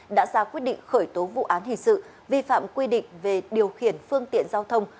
đã ra quyết định khởi tố vụ án hình sự vi phạm quy định về điều khiển phương tiện giao thông